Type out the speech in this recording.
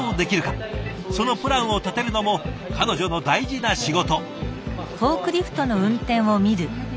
そのプランを立てるのも彼女の大事な仕事。